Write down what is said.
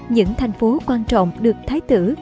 những thành phố quan trọng được thái tử